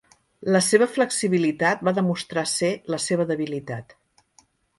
La seva flexibilitat va demostrar ser la seva debilitat.